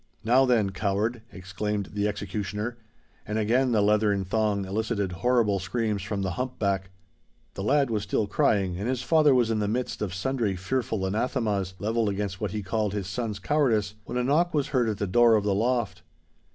"Now, then, coward!" exclaimed the executioner; and again the leathern thong elicited horrible screams from the hump back. The lad was still crying, and his father was in the midst of sundry fearful anathemas, levelled against what he called his son's cowardice, when a knock was heard at the door of the loft.